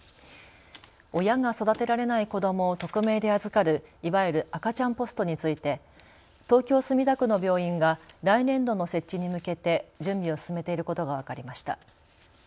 親が育てられない子どもを匿名で預かるいわゆる赤ちゃんポストについて東京墨田区の病院が来年度の設置に向けて準備を進めていることが分かりました。